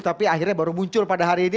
tapi akhirnya baru muncul pada hari ini